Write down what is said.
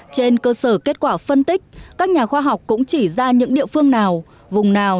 trên cơ sở kết quả phân tích các nhà khoa học cũng chỉ ra những địa phương nào